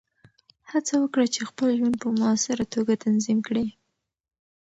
هڅه وکړه چې خپل ژوند په مؤثره توګه تنظیم کړې.